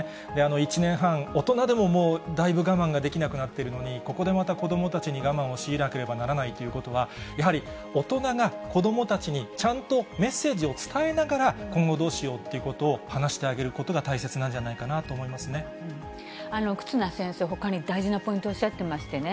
１年半、大人でももうだいぶ我慢ができなくなってるのに、ここでまた子どもたちに我慢を強いなければならないということは、やはり大人が子どもたちに、ちゃんとメッセージを伝えながら、今後どうしようということを話してあげることが大切なんじゃない忽那先生、ほかに大事なポイントおっしゃってましてね。